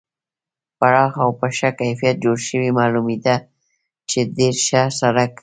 پراخ او په ښه کیفیت جوړ شوی معلومېده چې ډېر ښه سړک و.